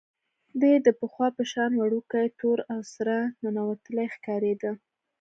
دی د پخوا په شان وړوکی، تور او سره ننوتلی ښکارېده.